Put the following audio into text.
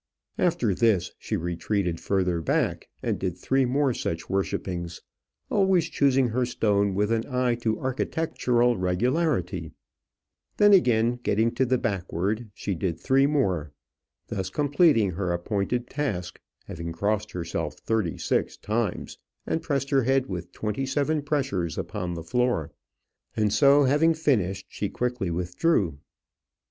After this she retreated further back, and did three more such worshippings, always choosing her stone with an eye to architectural regularity; then again, getting to the backward, she did three more, thus completing her appointed task, having crossed herself thirty six times, and pressed her head with twenty seven pressures upon the floor. And so, having finished, she quickly withdrew.